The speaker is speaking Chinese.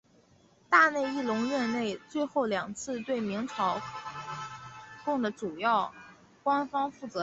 大内义隆任内最后两次对明朝贡的主要官方负责人。